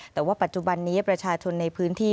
แต่ว่าปัจจุบันนี้ประชาชนในพื้นที่